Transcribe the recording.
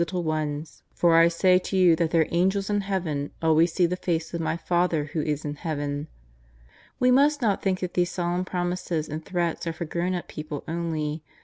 271 for I say to you that their Angels in Heaven always see the face of Mv Father who is in Heaven." ft/ We must not think that these solemn promises and threats are for gTov, ii up people only.